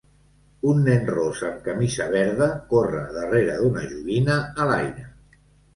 Un nen ros amb camisa verda corre darrere d'una joguina a l'aire.